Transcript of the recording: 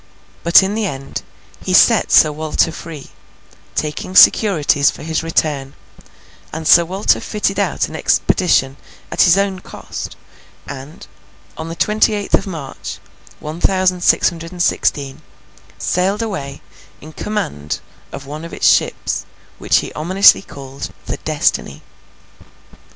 But, in the end, he set Sir Walter free, taking securities for his return; and Sir Walter fitted out an expedition at his own coast and, on the twenty eighth of March, one thousand six hundred and seventeen, sailed away in command of one of its ships, which he ominously called the Destiny.